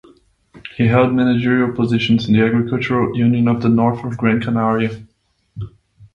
He held managerial positions in the Agricultural Union of the North of Gran Canaria.